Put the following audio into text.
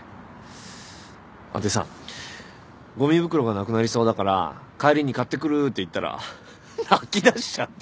でさごみ袋がなくなりそうだから帰りに買ってくるって言ったら泣きだしちゃって。